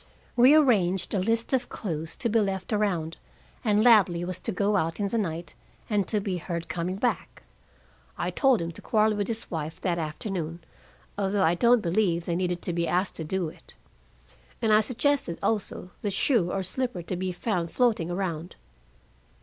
We arranged a list of clues, to be left around, and Ladley was to go out in the night and to be heard coming back. I told him to quarrel with his wife that afternoon, although I don't believe they needed to be asked to do it, and I suggested also the shoe or slipper, to be found floating around."